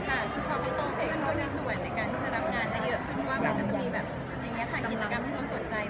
อาจจะเป็นเพราะเองจะเรียบงานที่เหมาะสมมุติเพื่อเด็ก